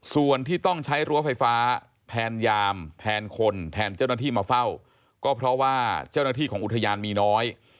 ส่วนที่ต้องใช้รั้วไฟฟ้าแทนยามแทนคนแทนเจ้าหน้าที่มาเฝ้าก็เพราะว่าเจ้าหน้าที่ของอุทยานมีน้อย